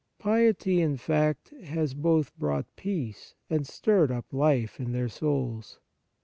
Piety, in fact, has both brought peace and stirred up life in their souls.